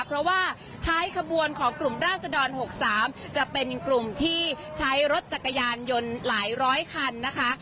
เพราะว่าท้ายขบวนของกลุ่มราศดร๖๓จะเป็นกลุ่มที่ใช้รถจักรยานยนต์หลายร้อยคันนะคะ